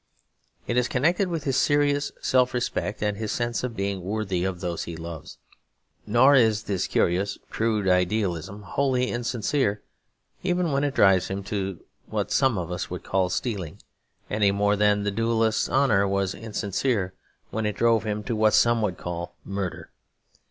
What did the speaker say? It is connected with his serious self respect and his sense of being worthy of those he loves. Nor is this curious crude idealism wholly insincere even when it drives him to what some of us would call stealing; any more than the duellist's honour was insincere when it drove him to what some would call murder.